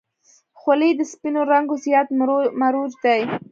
خولۍ د سپینو رنګو زیات مروج دی.